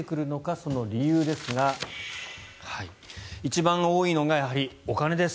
その理由ですが一番多いのがやはりお金です。